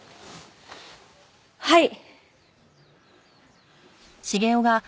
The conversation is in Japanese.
はい。